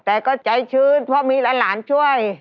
แต่ก็ใจชื้นเพราะมีหลานช่วย